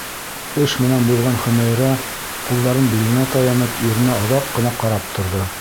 Эш менән булған Хөмәйрә ҡулдарын биленә таянып иренә оҙаҡ ҡына ҡарап торҙо.